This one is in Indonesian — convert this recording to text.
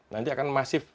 nanti akan masif